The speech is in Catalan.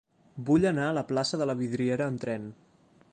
Vull anar a la plaça de la Vidriera amb tren.